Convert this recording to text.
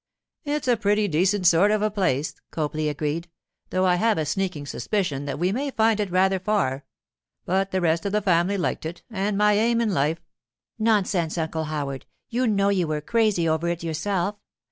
'It is a pretty decent sort of a place,' Copley agreed, 'though I have a sneaking suspicion that we may find it rather far. But the rest of the family liked it, and my aim in life——' 'Nonsense, Uncle Howard! you know you were crazy over it yourself.